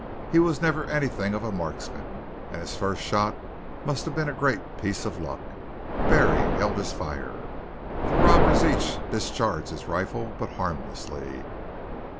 He was never anything of a marksman, and his first shot must have been a great piece of luck. Barry held his fire. The robbers each discharged his rifle, but harmlessly.